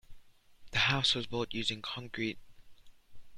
The house was built using concrete.